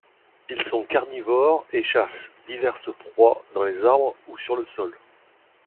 Ils sont carnivores et chassent diverses proies dans les arbres ou sur le sol.